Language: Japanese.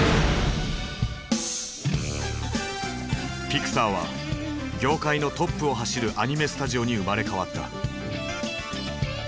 ピクサーは業界のトップを走るアニメスタジオに生まれ変わった。